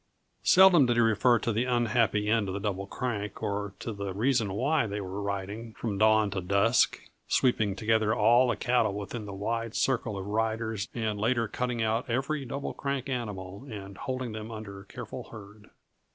Seldom did he refer to the unhappy end of the Double Crank, or to the reason why they were riding from dawn to dusk, sweeping together all the cattle within the wide circle of riders and later cutting out every Double Crank animal and holding them under careful herd.